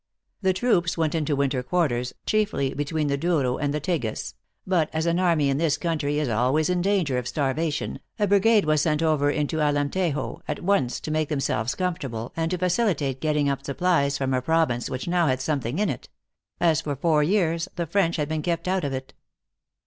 The troops went into winter quarters chiefly between the Douro and the Tagus ; but, as an army in this country is always in danger of starvation, a brigade was sent over into Alerntejo, at once, to make themselves comfortable, and to facilitate getting up supplies from a province which now had something in it : as, for four years, the French had been kept out of it.